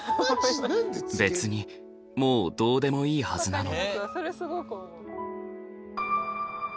別にもうどうでもいいはずなのに。